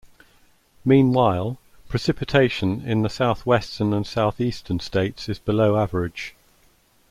Meanwhile, precipitation in the southwestern and southeastern states is below average.